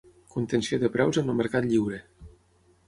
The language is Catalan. Contenció de preus en el mercat lliure.